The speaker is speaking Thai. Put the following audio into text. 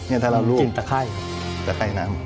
นี่ถ้าเรารู้ตะไข้น้ำ